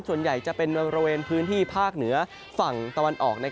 ส่วนใหญ่จะเป็นบริเวณพื้นที่ภาคเหนือฝั่งตะวันออก